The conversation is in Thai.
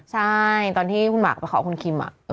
ใช่ตอนที่คุณหมักขอบคุณคิมอะ